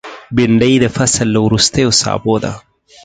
بېنډۍ د فصل له وروستیو سابو ده